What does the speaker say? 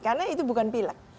karena itu bukan pilek